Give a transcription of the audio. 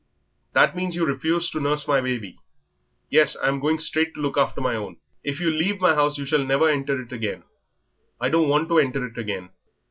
"That means that you refuse to nurse my baby?" "Yes, I'm going straight to look after my own." "If you leave my house you shall never enter it again." "I don't want to enter it again."